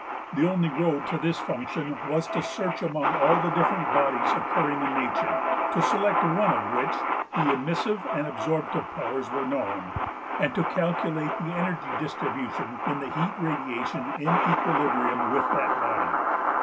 The only road to this function was to search among all the different bodies occurring in nature, to select one of which the emissive and absorptive powers were known, and to calculate the energy distribution in the heat radiation in equilibrium with that body.